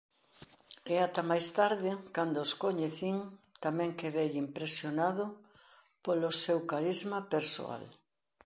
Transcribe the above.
E ata máis tarde cando os coñecín tamén quedei impresionado polo seu carisma persoal.